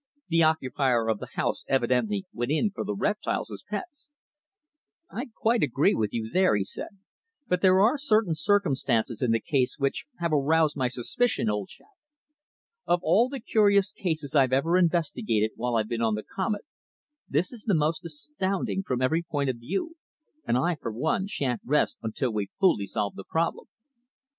The occupier of the house evidently went in for the reptiles as pets." "I quite agree with you there," he said. "But there are certain circumstances in the case which have aroused my suspicion, old chap. Of all the curious cases I've ever investigated while I've been on the Comet, this is the most astounding from every point of view, and I, for one, shan't rest until we've fully solved the problem."